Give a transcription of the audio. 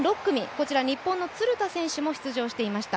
こちら日本の鶴田選手も出場していました。